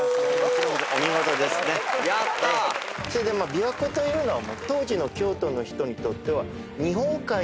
琵琶湖というのは。